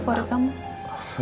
tinggal ke forit kamu